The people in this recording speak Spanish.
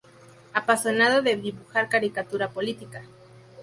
Apasionado de dibujar caricatura política.